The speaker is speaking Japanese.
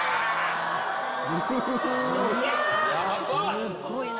すごいな！